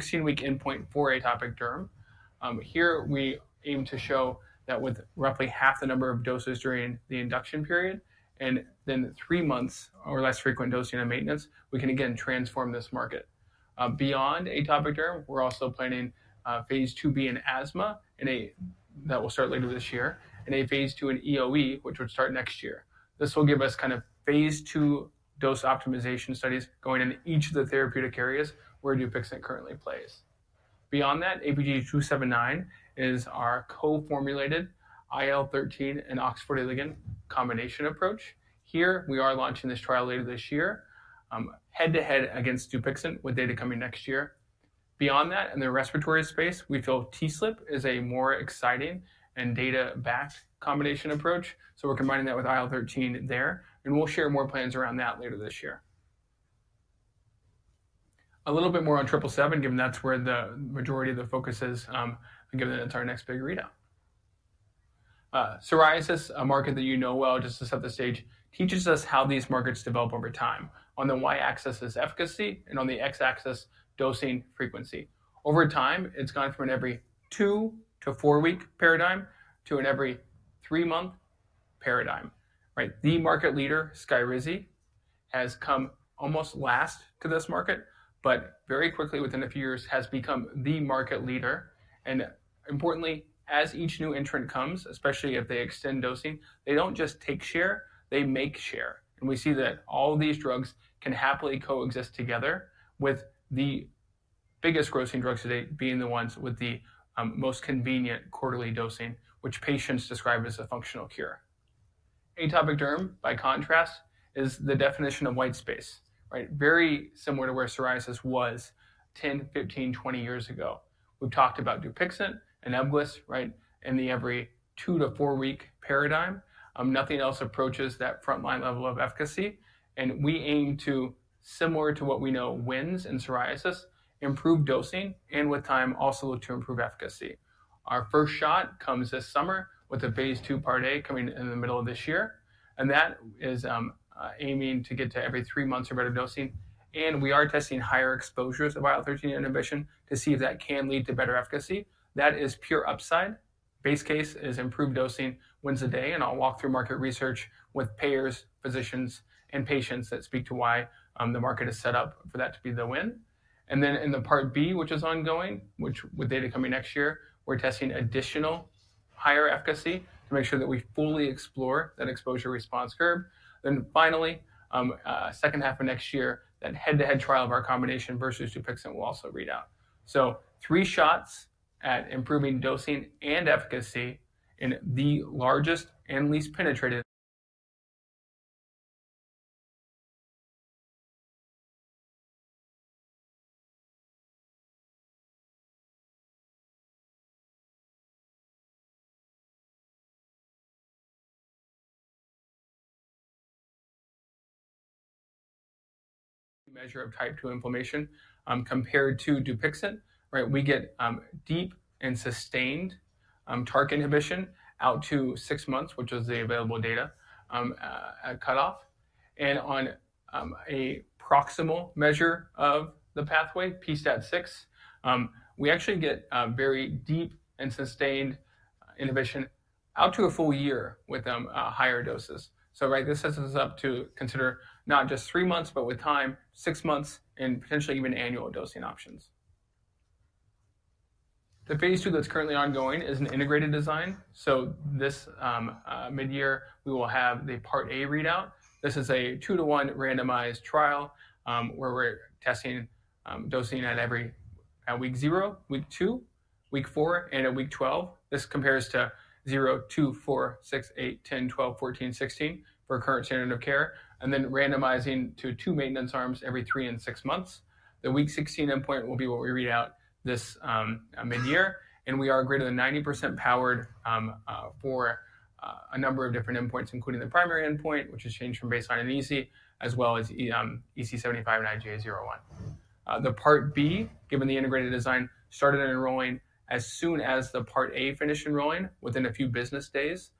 16-week endpoint for atopic derm. Here, we aim to show that with roughly half the number of doses during the induction period and then three months or less frequent dosing in maintenance, we can again transform this market. Beyond atopic derm, we're also planning phase 2B in asthma that will start later this year and a phase 2 in EOE, which would start next year. This will give us kind of phase 2 dose optimization studies going into each of the therapeutic areas where Dupixent currently plays. Beyond that, APG-279 is our co-formulated IL-13 and OX40 ligand combination approach. Here, we are launching this trial later this year head-to-head against Dupixent with data coming next year. Beyond that, in the respiratory space, we feel TSLP is a more exciting and data-backed combination approach. We are combining that with IL-13 there, and we'll share more plans around that later this year. A little bit more on 777, given that's where the majority of the focus is, and given that it's our next big readout. Psoriasis, a market that you know well, just to set the stage, teaches us how these markets develop over time on the Y-axis as efficacy and on the X-axis dosing frequency. Over time, it's gone from an every two to four-week paradigm to an every three-month paradigm. The market leader, Skyrizi, has come almost last to this market, but very quickly within a few years has become the market leader. Importantly, as each new entrant comes, especially if they extend dosing, they do not just take share, they make share. We see that all of these drugs can happily coexist together, with the biggest grossing drugs today being the ones with the most convenient quarterly dosing, which patients describe as a functional cure. Atopic derm, by contrast, is the definition of white space, very similar to where psoriasis was 10, 15, 20 years ago. We have talked about Dupixent and Ebglyss in the every two- to four-week paradigm. Nothing else approaches that frontline level of efficacy. We aim to, similar to what we know wins in psoriasis, improve dosing and with time also look to improve efficacy. Our first shot comes this summer with a phase 2 part A coming in the middle of this year. That is aiming to get to every three months or better dosing. We are testing higher exposures of IL-13 inhibition to see if that can lead to better efficacy. That is pure upside. Base case is improved dosing wins the day. I'll walk through market research with payers, physicians, and patients that speak to why the market is set up for that to be the win. In the part B, which is ongoing, with data coming next year, we're testing additional higher efficacy to make sure that we fully explore that exposure response curve. Finally, second half of next year, that head-to-head trial of our combination versus Dupixent will also read out. Three shots at improving dosing and efficacy in the largest and least penetrated measure of type 2 inflammation compared to Dupixent. We get deep and sustained TARC inhibition out to six months, which is the available data cutoff. On a proximal measure of the pathway, PSAT-6, we actually get very deep and sustained inhibition out to a full year with higher doses. This sets us up to consider not just three months, but with time, six months, and potentially even annual dosing options. The phase 2 that's currently ongoing is an integrated design. This mid-year, we will have the part A readout. This is a two-to-one randomized trial where we're testing dosing at every week zero, week two, week four, and at week 12. This compares to 0, 2, 4, 6, 8, 10, 12, 14, 16 for current standard of care. Then randomizing to two maintenance arms every three and six months. The week 16 endpoint will be what we read out this mid-year. We are greater than 90% powered for a number of different endpoints, including the primary endpoint, which is change from baseline in EASI, as well as EASI-75 and IGA-01. The part B, given the integrated design, started enrolling as soon as the part A finished enrolling within a few business days.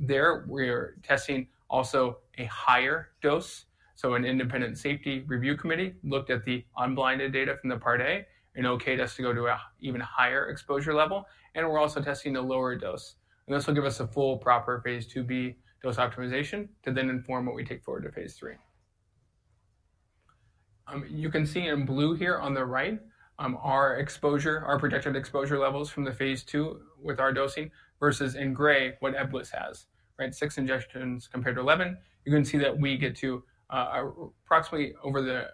There, we're testing also a higher dose. An independent safety review committee looked at the unblinded data from the part A and okayed us to go to an even higher exposure level. We're also testing the lower dose. This will give us a full proper phase 2B dose optimization to then inform what we take forward to phase 3. You can see in blue here on the right our projected exposure levels from the phase 2 with our dosing versus in gray what Ebglyss has. Six injections compared to 11. You can see that we get to approximately over the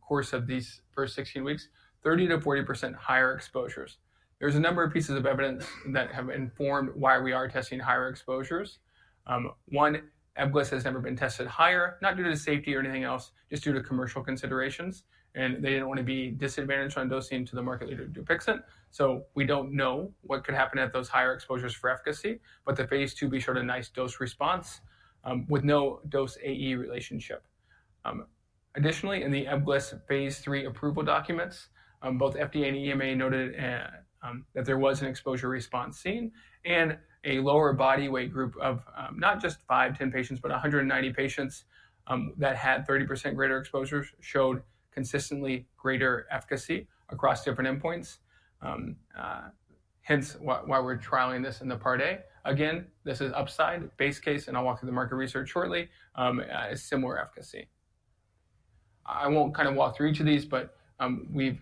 course of these first 16 weeks, 30-40% higher exposures. There's a number of pieces of evidence that have informed why we are testing higher exposures. One, Ebglyss has never been tested higher, not due to safety or anything else, just due to commercial considerations. They did not want to be disadvantaged on dosing to the market leader, Dupixent. We do not know what could happen at those higher exposures for efficacy, but the phase 2B showed a nice dose response with no dose AE relationship. Additionally, in the Ebglyss phase 3 approval documents, both FDA and EMA noted that there was an exposure response seen. A lower body weight group of not just five, ten patients, but 190 patients that had 30% greater exposures showed consistently greater efficacy across different endpoints. Hence why we are trialing this in the part A. Again, this is upside, base case, and I will walk through the market research shortly, similar efficacy. I won't kind of walk through each of these, but we've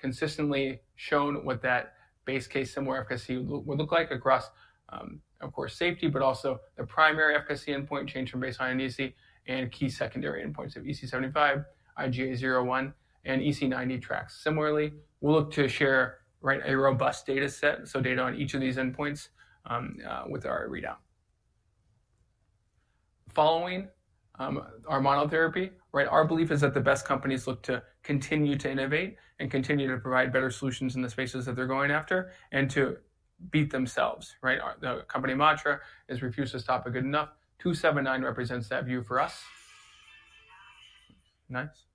consistently shown what that base case similar efficacy would look like across, of course, safety, but also the primary efficacy endpoint change from baseline and EASI and key secondary endpoints of EASI-75, IGA-01, and EASI-90 tracks. Similarly, we'll look to share a robust data set, so data on each of these endpoints with our readout. Following our monotherapy, our belief is that the best companies look to continue to innovate and continue to provide better solutions in the spaces that they're going after and to beat themselves. The company mantra has refused to stop at good enough. APG-279 represents that view for us. Nice.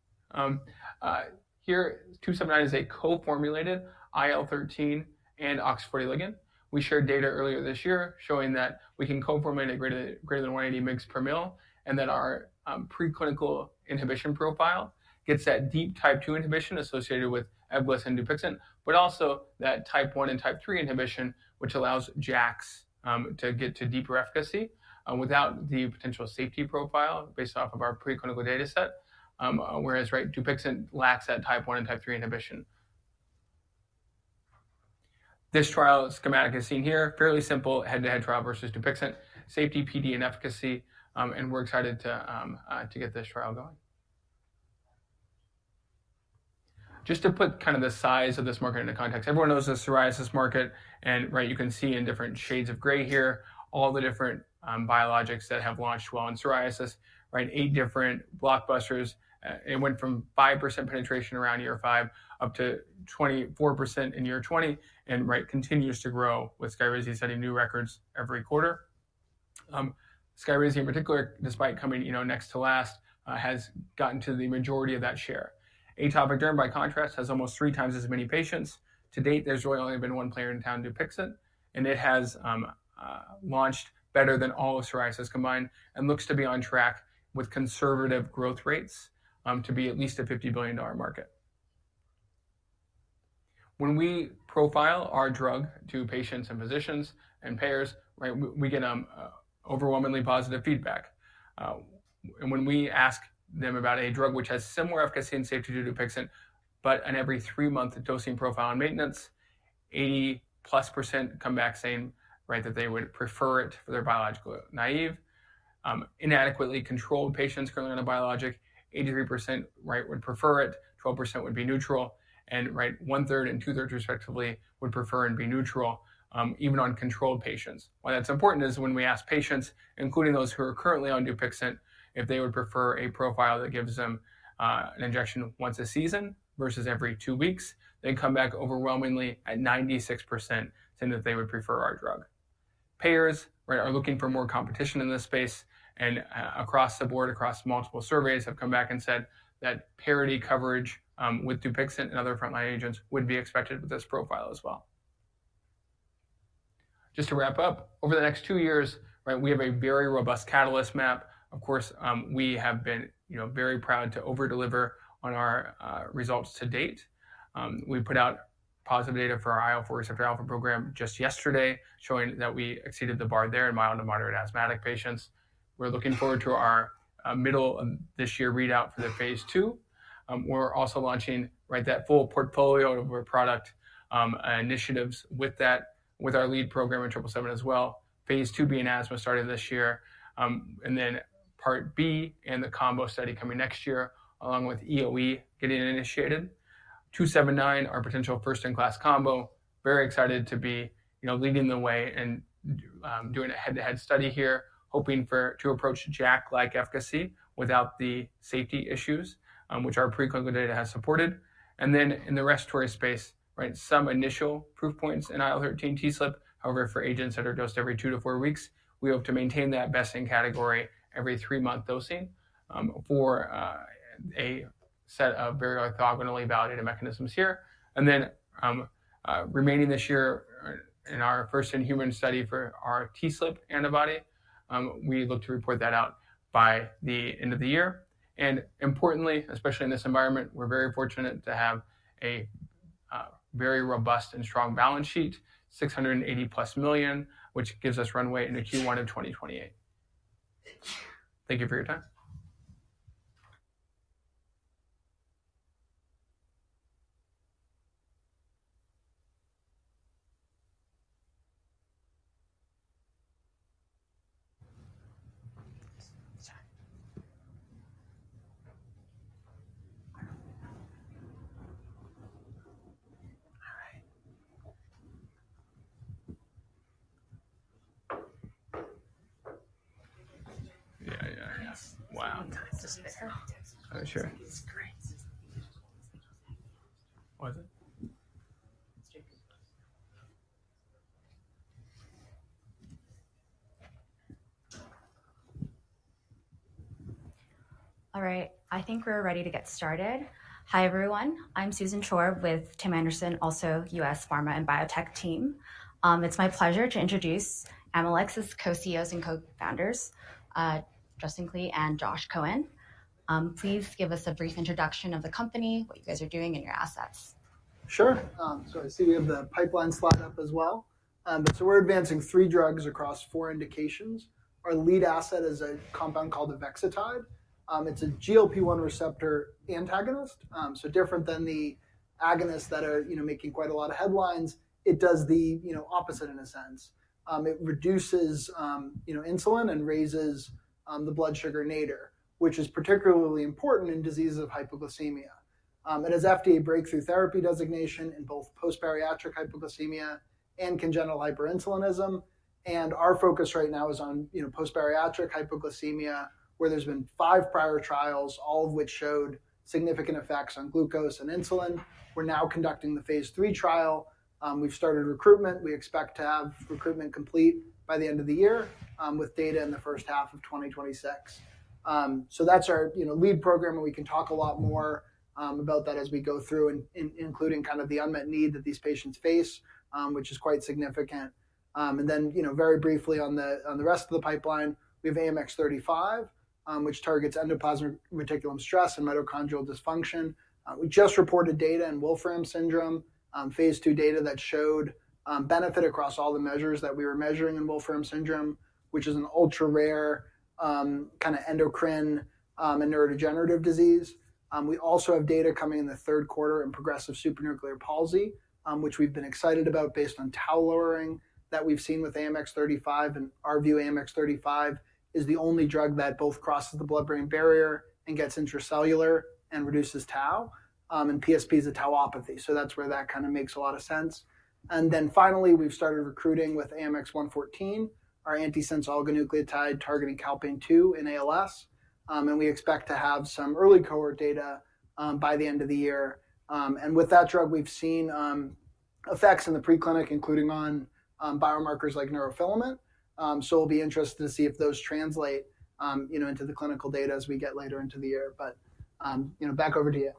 Here, APG-279 is a co-formulated IL-13 and OX40 ligand. We shared data earlier this year showing that we can co-formulate at greater than 180 mg per mL and that our preclinical inhibition profile gets that deep type 2 inhibition associated with Ebglyss and Dupixent, but also that type 1 and type 3 inhibition, which allows JAKs to get to deeper efficacy without the potential safety profile based off of our preclinical data set, whereas Dupixent lacks that type 1 and type 3 inhibition. This trial schematic is seen here. Fairly simple head-to-head trial versus Dupixent. Safety, PD, and efficacy. We are excited to get this trial going. Just to put kind of the size of this market into context, everyone knows the psoriasis market. You can see in different shades of gray here all the different biologics that have launched well in psoriasis. Eight different blockbusters. It went from 5% penetration around year five up to 24% in year 2020 and continues to grow with Skyrizi setting new records every quarter. Skyrizi, in particular, despite coming next to last, has gotten to the majority of that share. Atopic derm, by contrast, has almost three times as many patients. To date, there's really only been one player in town, Dupixent. It has launched better than all of psoriasis combined and looks to be on track with conservative growth rates to be at least a $50 billion market. When we profile our drug to patients and physicians and payers, we get overwhelmingly positive feedback. When we ask them about a drug which has similar efficacy and safety to Dupixent, but an every three-month dosing profile and maintenance, 80% + come back saying that they would prefer it for their biological naive. inadequately controlled patients currently on a biologic, 83% would prefer it, 12% would be neutral, and one-third and two-thirds, respectively, would prefer and be neutral even on controlled patients. Why that's important is when we ask patients, including those who are currently on Dupixent, if they would prefer a profile that gives them an injection once a season versus every two weeks, they come back overwhelmingly at 96% saying that they would prefer our drug. Payers are looking for more competition in this space. Across the board, across multiple surveys, have come back and said that parity coverage with Dupixent and other frontline agents would be expected with this profile as well. Just to wrap up, over the next two years, we have a very robust catalyst map. Of course, we have been very proud to overdeliver on our results to date. We put out positive data for our IL-4 receptor alpha program just yesterday, showing that we exceeded the bar there in mild to moderate asthmatic patients. We're looking forward to our middle of this year readout for the phase 2. We're also launching that full portfolio of our product initiatives with our lead program in 777 as well. Phase 2B in asthma started this year. Part B and the combo study are coming next year, along with EOE getting initiated. 279, our potential first-in-class combo. Very excited to be leading the way and doing a head-to-head study here, hoping to approach JAK-like efficacy without the safety issues, which our preclinical data has supported. In the respiratory space, some initial proof points in IL-13 TSLP. However, for agents that are dosed every two to four weeks, we hope to maintain that best-in-category every three-month dosing for a set of very orthogonally validated mechanisms here. Remaining this year in our first-in-human study for our TSLP antibody, we look to report that out by the end of the year. Importantly, especially in this environment, we're very fortunate to have a very robust and strong balance sheet, $680 million +, which gives us runway into Q1 of 2028. Thank you for your time. [inaudible] I think we're ready to get started. Hi, everyone. I'm Susan Chor with Tim Anderson, also U.S. Pharma and Biotech team. It's my pleasure to introduce Amylyx, Co-CEOs and Co-founders, Justin Klee and Josh Cohen. Please give us a brief introduction of the company, what you guys are doing, and your assets. Sure. I see we have the pipeline slide up as well. We're advancing three drugs across four indications. Our lead asset is a compound called Evexetide. It's a GLP-1 receptor antagonist. Different than the agonists that are making quite a lot of headlines, it does the opposite in a sense. It reduces insulin and raises the blood sugar nadir, which is particularly important in diseases of hypoglycemia. It has FDA breakthrough therapy designation in both post-bariatric hypoglycemia and congenital hyperinsulinism. Our focus right now is on post-bariatric hypoglycemia, where there have been five prior trials, all of which showed significant effects on glucose and insulin. We're now conducting the phase 3 trial. We've started recruitment. We expect to have recruitment complete by the end of the year with data in the first half of 2026. That's our lead program, and we can talk a lot more about that as we go through, including kind of the unmet need that these patients face, which is quite significant. Very briefly on the rest of the pipeline, we have AMX-35, which targets endoplasmic reticulum stress and mitochondrial dysfunction. We just reported data in Wolfram syndrome, phase 2 data that showed benefit across all the measures that we were measuring in Wolfram syndrome, which is an ultra-rare kind of endocrine and neurodegenerative disease. We also have data coming in the third quarter in progressive supranuclear palsy, which we've been excited about based on tau lowering that we've seen with AMX-35. In our view, AMX-35 is the only drug that both crosses the blood-brain barrier and gets intracellular and reduces tau. PSP is a tauopathy. That's where that kind of makes a lot of sense. Then finally, we've started recruiting with AMX-114, our antisense oligonucleotide targeting calpain 2 in ALS. We expect to have some early cohort data by the end of the year. With that drug, we've seen effects in the preclinic, including on biomarkers like neurofilament. We will be interested to see if those translate into the clinical data as we get later into the year. Back over to you.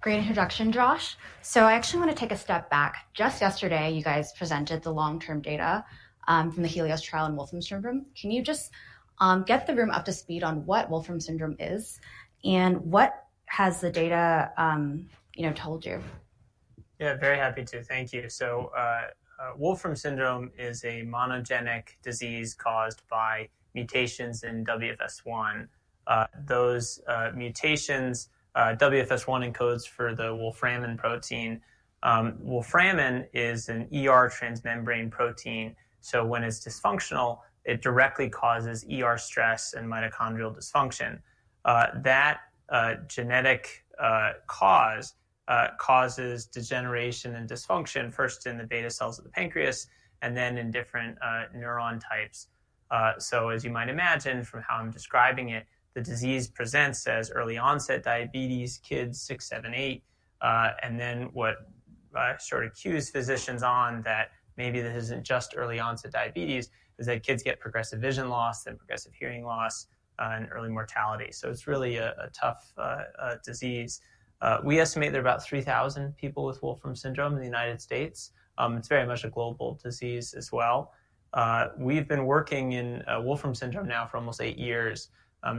Great introduction, Josh. I actually want to take a step back. Just yesterday, you guys presented the long-term data from the Helios trial in Wolfram syndrome. Can you get the room up to speed on what Wolfram syndrome is and what has the data told you? Yeah, very happy to. Thank you. Wolfram syndrome is a monogenic disease caused by mutations in WFS1. Those mutations, WFS1 encodes for the Wolframin protein. Wolframin is a transmembrane protein. When it's dysfunctional, it directly causes stress and mitochondrial dysfunction. That genetic cause causes degeneration and dysfunction first in the beta cells of the pancreas and then in different neuron types. As you might imagine from how I'm describing it, the disease presents as early onset diabetes, kids 6, 7, 8. What sort of cues physicians on that maybe this isn't just early onset diabetes is that kids get progressive vision loss and progressive hearing loss and early mortality. It's really a tough disease. We estimate there are about 3,000 people with Wolfram syndrome in the United States. It's very much a global disease as well. We've been working in Wolfram syndrome now for almost eight years.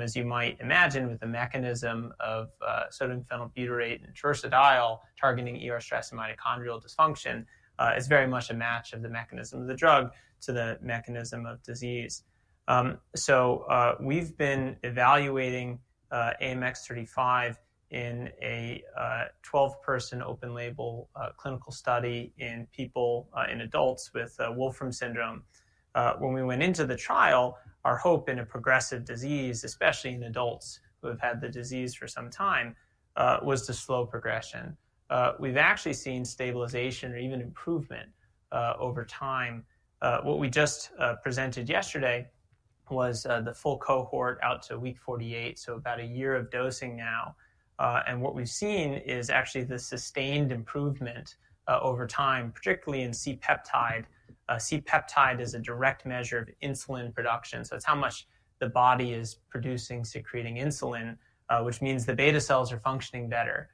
As you might imagine, with the mechanism of sodium phenylbutyrate and torsadile targeting stress and mitochondrial dysfunction, it's very much a match of the mechanism of the drug to the mechanism of disease. We've been evaluating AMX-35 in a 12-person open-label clinical study in people, in adults with Wolfram syndrome. When we went into the trial, our hope in a progressive disease, especially in adults who have had the disease for some time, was to slow progression. We've actually seen stabilization or even improvement over time. What we just presented yesterday was the full cohort out to week 48, so about a year of dosing now. What we've seen is actually the sustained improvement over time, particularly in C-peptide. C-peptide is a direct measure of insulin production. It's how much the body is producing, secreting insulin, which means the beta cells are functioning better.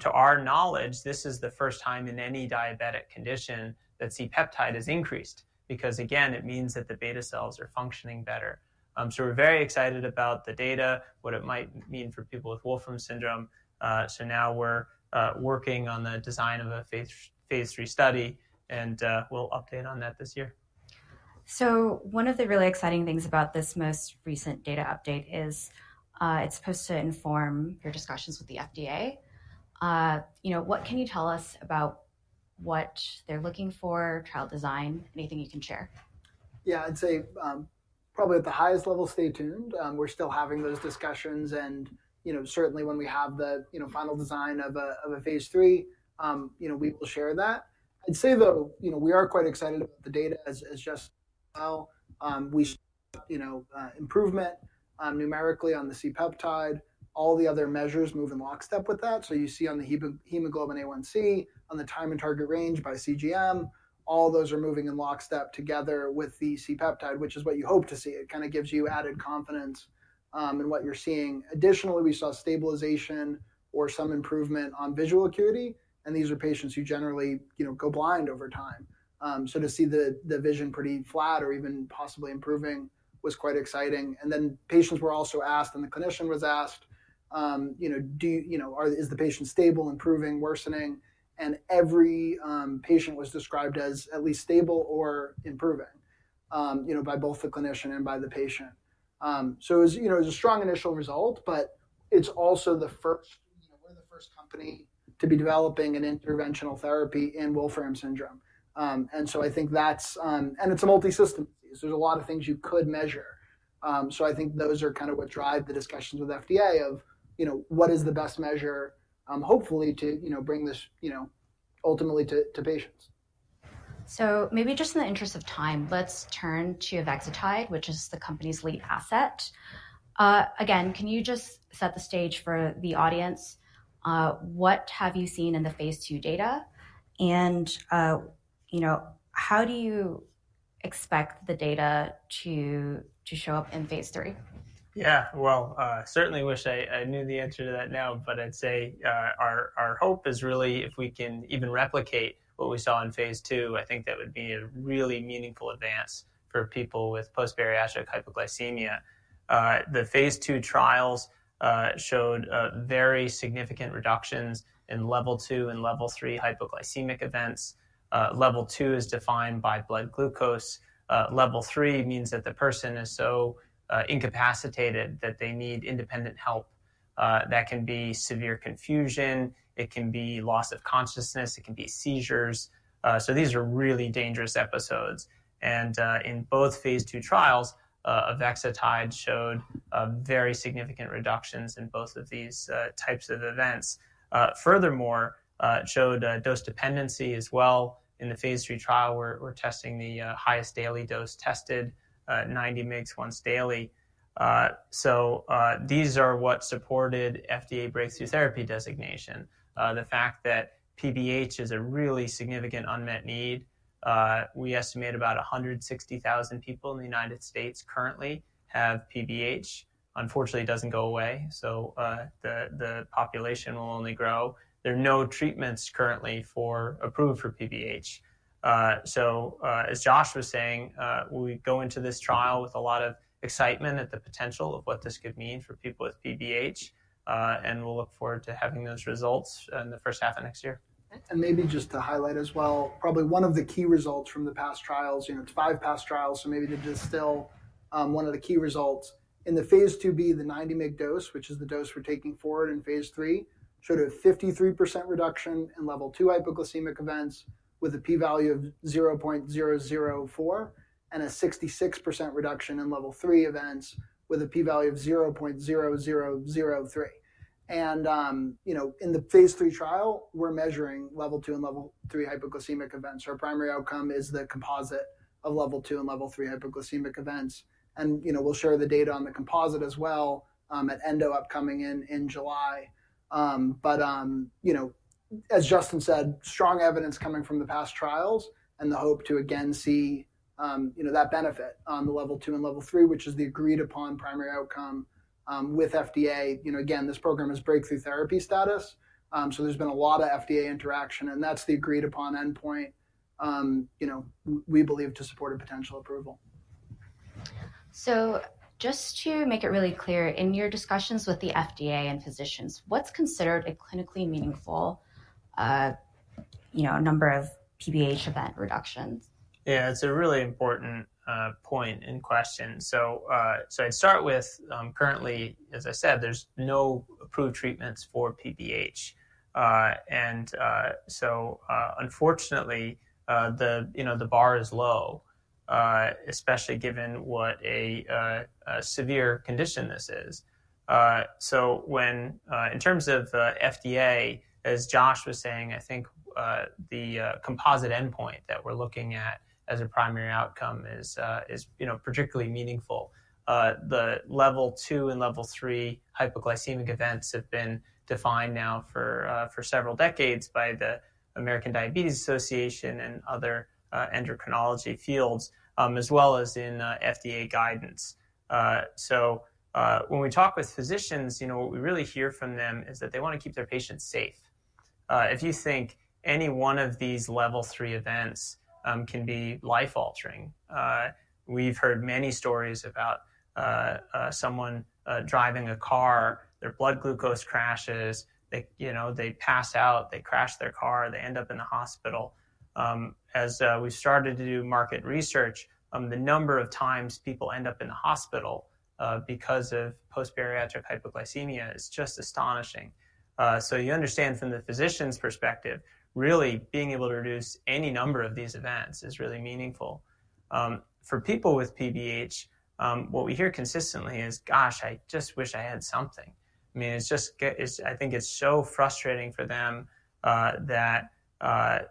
To our knowledge, this is the first time in any diabetic condition that C-peptide is increased because, again, it means that the beta cells are functioning better. We are very excited about the data, what it might mean for people with Wolfram syndrome. We are working on the design of a phase 3 study, and we will update on that this year. One of the really exciting things about this most recent data update is it is supposed to inform your discussions with the FDA. What can you tell us about what they are looking for, trial design, anything you can share? Yeah, I would say probably at the highest level, stay tuned. We are still having those discussions. Certainly, when we have the final design of a phase 3, we will share that. I would say, though, we are quite excited about the data as just well. We showed improvement numerically on the C-peptide. All the other measures move in lockstep with that. You see on the hemoglobin A1C, on the time and target range by CGM, all those are moving in lockstep together with the C-peptide, which is what you hope to see. It kind of gives you added confidence in what you're seeing. Additionally, we saw stabilization or some improvement on visual acuity. These are patients who generally go blind over time. To see the vision pretty flat or even possibly improving was quite exciting. Patients were also asked, and the clinician was asked, is the patient stable, improving, worsening? Every patient was described as at least stable or improving by both the clinician and by the patient. It was a strong initial result, but it's also the first—we're the first company to be developing an interventional therapy in Wolfram syndrome. I think that's—and it's a multi-system disease. There's a lot of things you could measure. I think those are kind of what drive the discussions with the FDA of what is the best measure, hopefully, to bring this ultimately to patients. Maybe just in the interest of time, let's turn to Evexetide, which is the company's lead asset. Again, can you just set the stage for the audience? What have you seen in the phase 2 data? How do you expect the data to show up in phase 3? Yeah, I certainly wish I knew the answer to that now, but I'd say our hope is really if we can even replicate what we saw in phase 2, I think that would be a really meaningful advance for people with post-bariatric hypoglycemia. The phase 2 trials showed very significant reductions in level 2 and level 3 hypoglycemic events. Level 2 is defined by blood glucose. Level 3 means that the person is so incapacitated that they need independent help. That can be severe confusion. It can be loss of consciousness. It can be seizures. These are really dangerous episodes. In both phase 2 trials, Evexetide showed very significant reductions in both of these types of events. Furthermore, it showed dose dependency as well. In the phase 3 trial, we're testing the highest daily dose tested, 90 mg once daily. These are what supported FDA breakthrough therapy designation. The fact that PBH is a really significant unmet need. We estimate about 160,000 people in the United States currently have PBH. Unfortunately, it does not go away. The population will only grow. There are no treatments currently approved for PBH. As Josh was saying, we go into this trial with a lot of excitement at the potential of what this could mean for people with PBH. We will look forward to having those results in the first half of next year. Maybe just to highlight as well, probably one of the key results from the past trials, five past trials, so maybe to distill one of the key results. In the phase 2B, the 90 mg dose, which is the dose we're taking forward in phase 3, showed a 53% reduction in level 2 hypoglycemic events with a p-value of 0.004 and a 66% reduction in level 3 events with a p-value of 0.0003. In the phase 3 trial, we're measuring level 2 and level 3 hypoglycemic events. Our primary outcome is the composite of level 2 and level 3 hypoglycemic events. We'll share the data on the composite as well at Endo upcoming in July. As Justin said, strong evidence coming from the past trials and the hope to again see that benefit on the level 2 and level 3, which is the agreed-upon primary outcome with FDA. This program is breakthrough therapy status. There has been a lot of FDA interaction. That is the agreed-upon endpoint we believe to support a potential approval. Just to make it really clear, in your discussions with the FDA and physicians, what's considered a clinically meaningful number of PBH event reductions? Yeah, it's a really important point and question. I'd start with currently, as I said, there's no approved treatments for PBH. Unfortunately, the bar is low, especially given what a severe condition this is. In terms of FDA, as Josh was saying, I think the composite endpoint that we're looking at as a primary outcome is particularly meaningful. The level 2 and level 3 hypoglycemic events have been defined now for several decades by the American Diabetes Association and other endocrinology fields, as well as in FDA guidance. When we talk with physicians, what we really hear from them is that they want to keep their patients safe. If you think any one of these level 3 events can be life-altering, we've heard many stories about someone driving a car, their blood glucose crashes, they pass out, they crash their car, they end up in the hospital. As we've started to do market research, the number of times people end up in the hospital because of post-bariatric hypoglycemia is just astonishing. You understand from the physician's perspective, really being able to reduce any number of these events is really meaningful. For people with PBH, what we hear consistently is, gosh, I just wish I had something. I mean, I think it's so frustrating for them that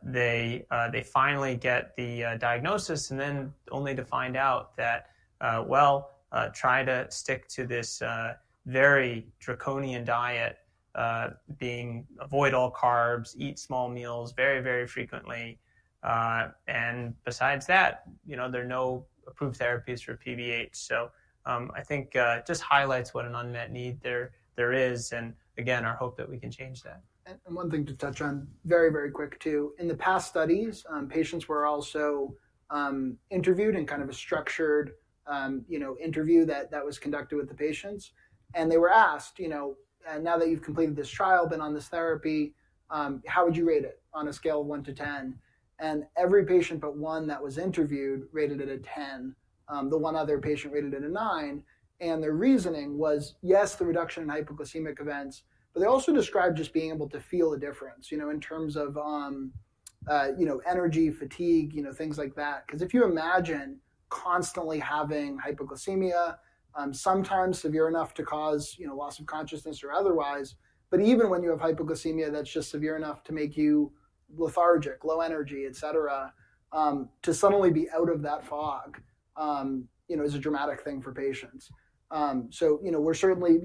they finally get the diagnosis and then only to find out that, try to stick to this very draconian diet, avoid all carbs, eat small meals very, very frequently. Besides that, there are no approved therapies for PBH. I think it just highlights what an unmet need there is. Again, our hope that we can change that. One thing to touch on very, very quick too. In the past studies, patients were also interviewed in kind of a structured interview that was conducted with the patients. They were asked, now that you have completed this trial, been on this therapy, how would you rate it on a scale of 1 to 10? Every patient but one that was interviewed rated it a 10. The one other patient rated it a 9. Their reasoning was, yes, the reduction in hypoglycemic events, but they also described just being able to feel a difference in terms of energy, fatigue, things like that. Because if you imagine constantly having hypoglycemia, sometimes severe enough to cause loss of consciousness or otherwise, but even when you have hypoglycemia that's just severe enough to make you lethargic, low energy, et cetera, to suddenly be out of that fog is a dramatic thing for patients. We are certainly,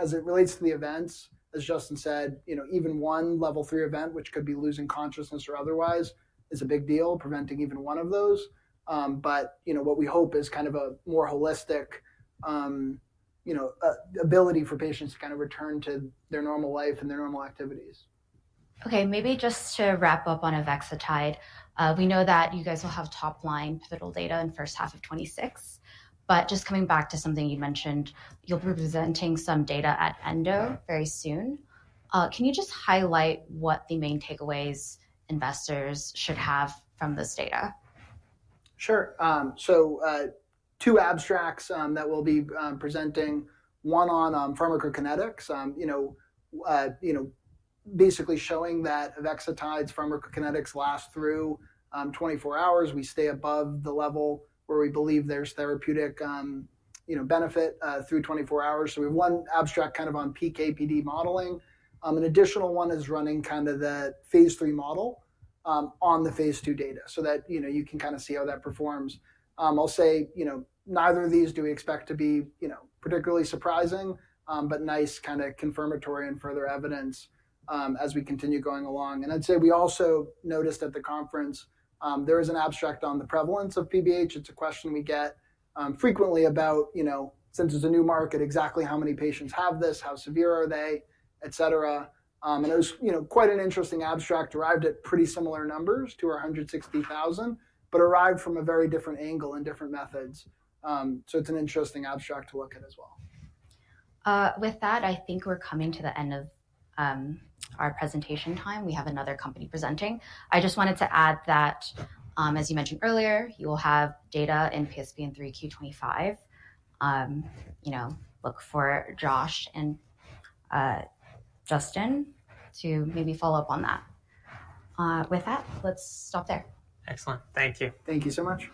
as it relates to the events, as Justin said, even one level 3 event, which could be losing consciousness or otherwise, is a big deal. Preventing even one of those. What we hope is kind of a more holistic ability for patients to kind of return to their normal life and their normal activities. Okay, maybe just to wrap up on Evexetide, we know that you guys will have top-line pivotal data in the first half of 2026. Just coming back to something you'd mentioned, you'll be presenting some data at Endo very soon. Can you just highlight what the main takeaways investors should have from this data? Sure. Two abstracts that we'll be presenting. One on pharmacokinetics, basically showing that Evexetide's pharmacokinetics last through 24 hours. We stay above the level where we believe there's therapeutic benefit through 24 hours. We have one abstract kind of on PKPD modeling. An additional one is running kind of the phase 3 model on the phase 2 data so that you can kind of see how that performs. I'll say neither of these do we expect to be particularly surprising, but nice kind of confirmatory and further evidence as we continue going along. I’d say we also noticed at the conference, there is an abstract on the prevalence of PBH. It's a question we get frequently about, since it's a new market, exactly how many patients have this, how severe are they, et cetera. It was quite an interesting abstract, arrived at pretty similar numbers to our 160,000, but arrived from a very different angle and different methods. It is an interesting abstract to look at as well. With that, I think we're coming to the end of our presentation time. We have another company presenting. I just wanted to add that, as you mentioned earlier, you will have data in PSP in 3Q 2025. Look for Josh and Justin to maybe follow up on that. With that, let's stop there. Excellent. Thank you. Thank you so much.